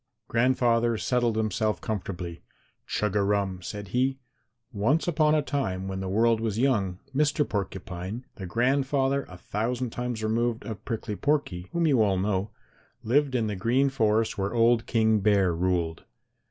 Grandfather settled himself comfortably. "Chug a rum!" said he. "Once upon a time when the world was young, Mr. Porcupine, the grandfather a thousand times removed of Prickly Porky, whom you all know, lived in the Green Forest where old King Bear ruled.